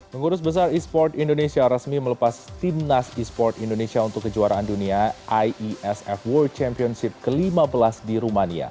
pengurus besar e sport indonesia resmi melepas timnas e sport indonesia untuk kejuaraan dunia iesf world championship ke lima belas di rumania